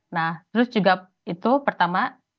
nah terus juga itu pertama